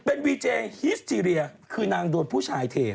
เป็นวีเจฮิสทีเรียคือนางโดนผู้ชายเท